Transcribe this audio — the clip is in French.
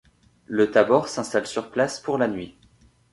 Le Tabor s’installe sur place pour la nuit.